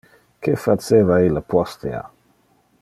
Que faceva ille postea?